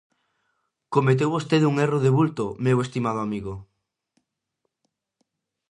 Cometeu vostede un erro de vulto, meu estimado amigo!